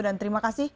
dan terima kasih